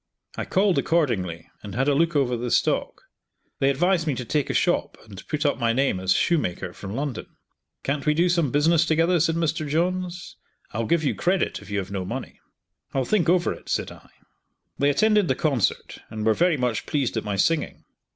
I called accordingly, and had a look over the stock. They advised me to take a shop and put up my name as shoemaker, from London. "Can't we do some business together?" said Mr. Johns, "I'll give you credit if you have no money." "I'll think over it," said I. They attended the concert and were very much pleased at my singing.